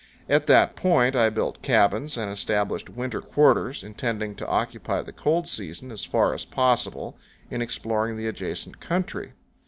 At that point I built cabins and established winter quarters, intending to occupy the cold season, as far as possible, in exploring the adjacent country.